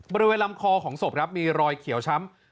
บริเวณลำคอของศพครับมีรอยเขียวช้ำ